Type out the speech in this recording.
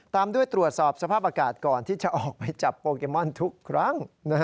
ตามด้วยตรวจสอบสภาพอากาศก่อนที่จะออกไปจับโปเกมอนทุกครั้ง